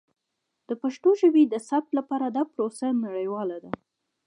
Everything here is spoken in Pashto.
د پښتو ژبې د ثبت لپاره دا پروسه نړیواله ده.